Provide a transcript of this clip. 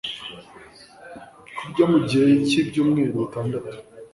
kurya mu gihe cy’ibyumweru bitandatu,